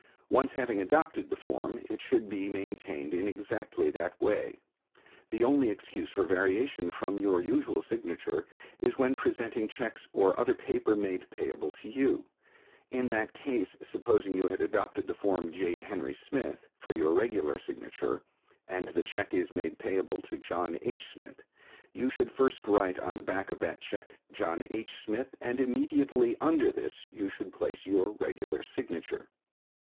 Once having adopted the form, it should be maintained in exactly that way. The only excuse for variation from your usual signature is when presenting checks or other paper made payable to you. In that case, supposing you had adopted the form J. Henry Smith for your regular signature, and the check is made payable to John H. Smith, you should first write on the back of that check "John H. Smith," and immediately under this you should place your regular signature.